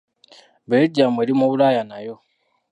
Belgium eri mu Bulaaya nayo.